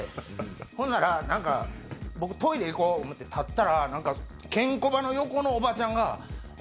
ほんなら僕トイレ行こう思って立ったら何かケンコバの横のおばちゃんが。